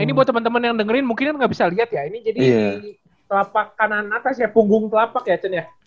ini buat temen temen yang dengerin mungkin kan gak bisa liat ya ini jadi telapak kanan atas ya punggung telapak ya sen ya